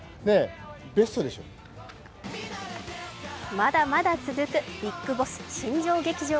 まだまだ続くビッグボス、新庄劇場。